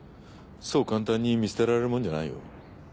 そう簡単に見捨てられるもんじゃないよ。